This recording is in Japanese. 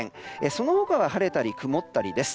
その他は晴れたり曇ったりです。